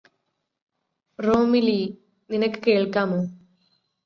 റോമിലീ നിനക്ക് കേള്ക്കാമോ